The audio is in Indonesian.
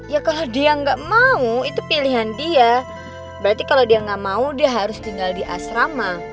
ya kalau dia nggak mau itu pilihan dia berarti kalau dia nggak mau dia harus tinggal di asrama